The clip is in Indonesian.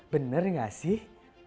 bener nggak sih